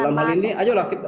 dalam hal ini ayolah kita